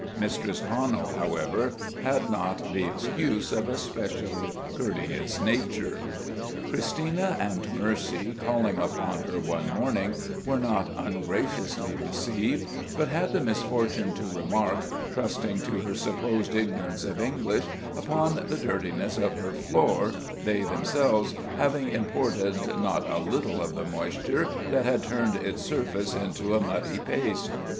Mistress Conal, however, had not the excuse of a specially courteous nature. Christina and Mercy, calling upon her one morning, were not ungraciously received, but had the misfortune to remark, trusting to her supposed ignorance of English, upon the dirtiness of her floor, they themselves having imported not a little of the moisture that had turned its surface into a muddy paste.